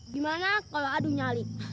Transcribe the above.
gimana kalau adu nyali